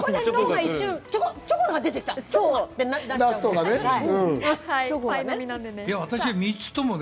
チョコが出てきたってなっちゃうのね。